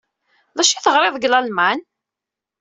D acu ay teɣriḍ deg Lalman?